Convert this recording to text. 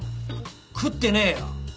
食ってねえよ。